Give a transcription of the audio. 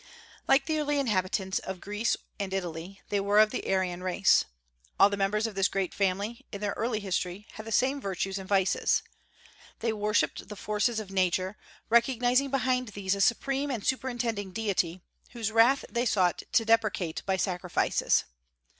Like the early inhabitants of Greece and Italy, they were of the Aryan race. All the members of this great family, in their early history, had the same virtues and vices. They worshipped the forces of Nature, recognizing behind these a supreme and superintending deity, whose wrath they sought to deprecate by sacrifices.